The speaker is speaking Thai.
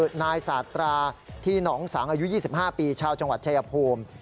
คือนายสาตราที่หนองสังอายุ๒๕ปีชาวจังหวัดชายภูมิ